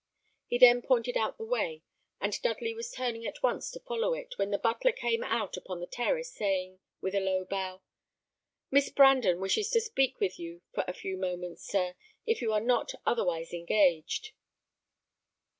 He then pointed out the way, and Dudley was turning at once to follow it, when the butler came out upon the terrace, saying, with a low bow, "Miss Brandon wishes to speak with you for a few moments, sir, if you are not otherwise engaged."